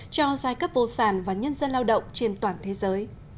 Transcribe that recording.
cho giai cấp vô sản và nhân dân lao động trên toàn thế giới